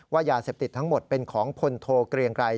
ยาเสพติดทั้งหมดเป็นของพลโทเกรียงไกร